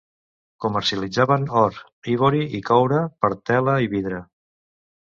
Comercialitzaven or, ivori i coure per tela i vidre.